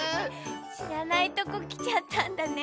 しらないとこきちゃったんだね。